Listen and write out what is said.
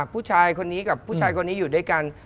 ผู้ชายคนนี้กับผู้ชายคนนี้อยู่ด้วยกัน